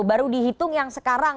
baru dihitung yang sekarang